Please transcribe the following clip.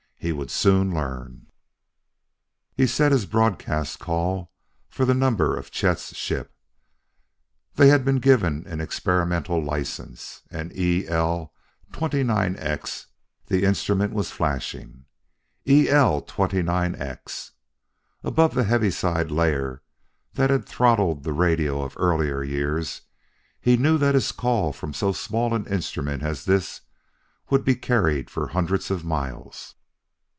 He would soon learn.... He set his broadcast call for the number of Chet's ship. They had been given an experimental license, and "E L 29 X" the instrument was flashing, "E L 29 X." Above the heaviside layer that had throttled the radio of earlier years, he knew that his call from so small an instrument as this would be carried for hundreds of miles.